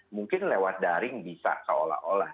mungkin lewat daring bisa seolah olah